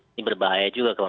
ini berbahaya juga